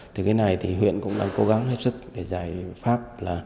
thì cái này thì huyện cũng đang cố gắng hết sức để giải pháp